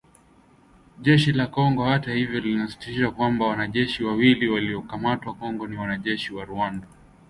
Jeshi la Kongo hata hivyo linasisitiza kwamba “wanajeshi wawili waliokamatwa Kongo ni wanajeshi wa Rwanda"